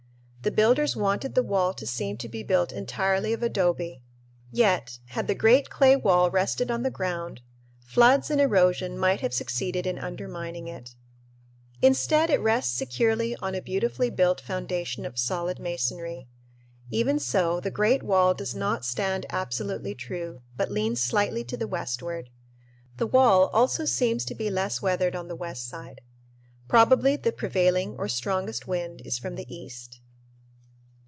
The builders wanted the wall to seem to be built entirely of adobe, yet, had the great clay wall rested on the ground, floods and erosion might have succeeded in undermining it. Instead, it rests securely on a beautifully built foundation of solid masonry. Even so, the great wall does not stand absolutely true, but leans slightly to the westward. The wall also seems to be less weathered on the west side. Probably the prevailing or strongest wind is from the east.